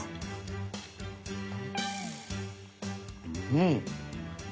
うん！